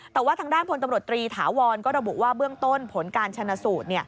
แต่ว่าทางด้านพลตำรวจตรีถาวรก็ระบุว่าเบื้องต้นผลการชนะสูตร